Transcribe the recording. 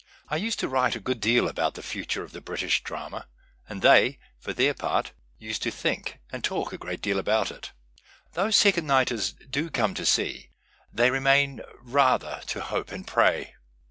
I used to \sTite a good deal about the future of the British drama, and they, for their part, used to think and talk a great deal about it. Though sccond nightcrs do come to sec, they remain rather to hope and pray."